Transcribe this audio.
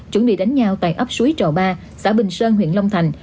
chuẩn bị đánh nhau tại ấp suối trò ba xã bình sơn huyện long thành